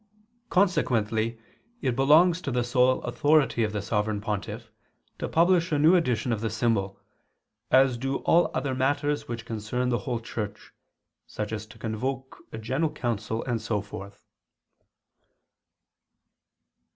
Consequently it belongs to the sole authority of the Sovereign Pontiff to publish a new edition of the symbol, as do all other matters which concern the whole Church, such as to convoke a general council and so forth.